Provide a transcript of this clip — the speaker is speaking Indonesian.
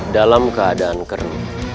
dalam keadaan keren